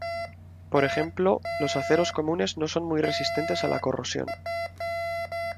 Por ejemplo, los aceros comunes no son muy resistentes a la corrosión.